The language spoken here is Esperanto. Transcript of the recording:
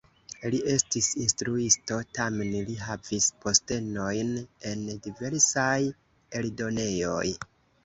Li estis instruisto, tamen li havis postenojn en diversaj eldonejoj.